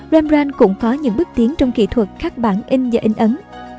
rambrand cũng có những bước tiến trong kỹ thuật khắc bản in và in ấn